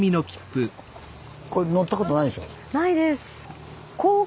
これ乗ったことないでしょ。